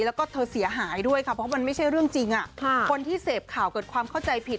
แล้วก็เธอเสียหายด้วยค่ะเพราะมันไม่ใช่เรื่องจริงคนที่เสพข่าวเกิดความเข้าใจผิด